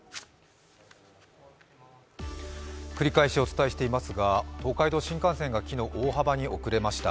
繰り返しお伝えしていますが東海道新幹線が昨日、大幅に送れました。